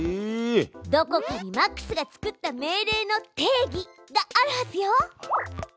どこかにマックスが作った命令の「定義」があるはずよ！